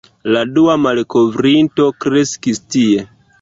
La dua malkovrinto kreskis tie.